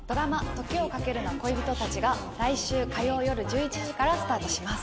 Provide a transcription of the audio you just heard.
『時をかけるな、恋人たち』が来週火曜夜１１時からスタートします。